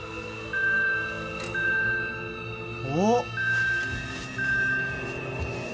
おっ！